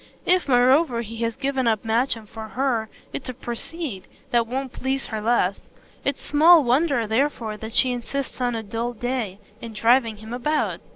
If moreover he has given up Matcham for her it's a procede that won't please her less. It's small wonder therefore that she insists, on a dull day, in driving him about.